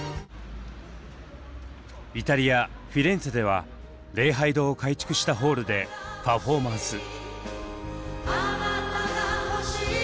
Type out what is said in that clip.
イタリア・フィレンツェでは礼拝堂を改築したホールでパフォーマンス。